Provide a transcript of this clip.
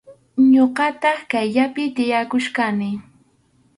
Ñuqataq kaqllapi tiyaykuchkani.